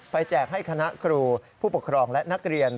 แจกให้คณะครูผู้ปกครองและนักเรียน